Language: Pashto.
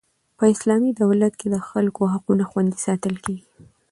په اسلامي دولت کښي د خلکو حقونه خوندي ساتل کیږي.